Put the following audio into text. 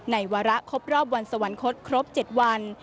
วาระครบรอบวันสวรรคตครบ๗วัน